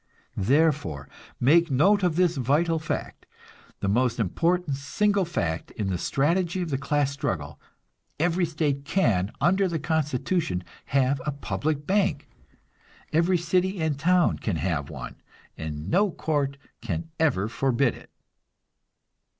Therefore, make note of this vital fact the most important single fact in the strategy of the class struggle every state can, under the constitution, have a public bank; every city and town can have one, and no court can ever forbid it!